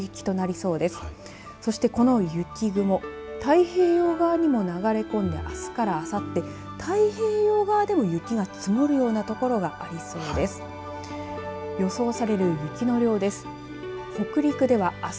そしてこの雪雲太平洋側にも流れ込んであすからあさって太平洋側でも雪が積もるような所がありそうです。